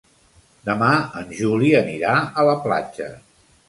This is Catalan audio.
Demà en Juli anirà a la platja.